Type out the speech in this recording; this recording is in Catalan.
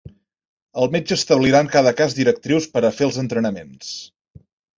El metge establirà en cada cas directrius per a fer els entrenaments.